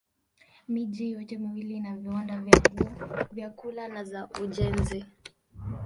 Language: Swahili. Miji yote miwili ina viwanda vya nguo, vyakula na za ujenzi.